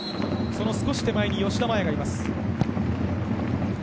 少し手前に吉田麻也がいます。